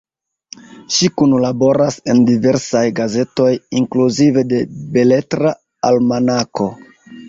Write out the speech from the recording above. Ŝi kunlaboras en diversaj gazetoj, inkluzive de Beletra Almanako.